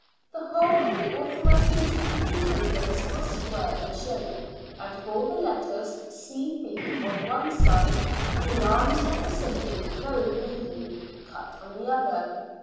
The whole of the authorised Elizabethan tokens were square in shape, and bore the letters " C.B." on one side, and the arms of the city, very 72 SIXTEENTH CENTURY BRISTOL. rudely cut, on the other.